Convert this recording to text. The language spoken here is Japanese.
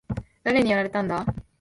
誰にやられたんだ？